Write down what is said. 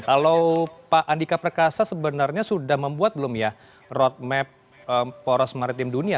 kalau pak andika perkasa sebenarnya sudah membuat belum ya roadmap poros maritim dunia